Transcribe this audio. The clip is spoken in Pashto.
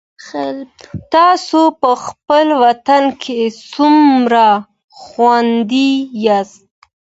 تاسو په خپل وطن کي څومره خوندي یاست؟